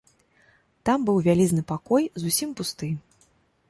Там быў вялізны пакой, зусім пусты.